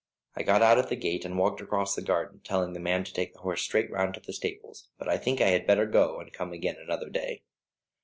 I got out at the gate and walked across the garden, telling the man to take the horse straight round to the stables; but I think I had better go and come again another day.